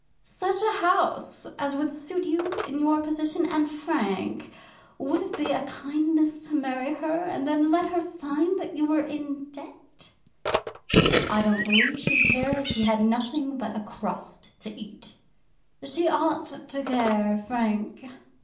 "Such a house as would suit you in your position? And, Frank, would it be a kindness to marry her and then let her find that you were in debt?" "I don't believe she'd care if she had nothing but a crust to eat." "She ought to care, Frank."